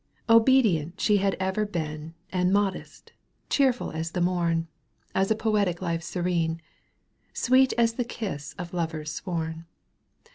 Obedient she had ever been And modest, cheerful as the mom, As a poetic life serene, Sweet as the kiss of lovers sworn.